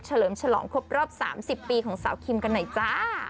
เลิมฉลองครบรอบ๓๐ปีของสาวคิมกันหน่อยจ้า